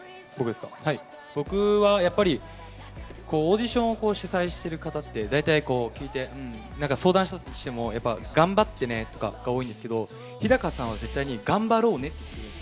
僕はオーディションを主催してる方って相談したとしても頑張ってねとかが多いですけど、日高さんは絶対に頑張ろうねって言うんですよ。